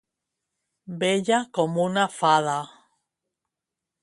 Bella com una fada.